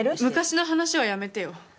昔の話はやめてよ。